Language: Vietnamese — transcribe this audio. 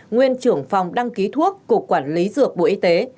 nguyên trưởng phòng đăng ký thuốc cục quản lý dược bộ y tế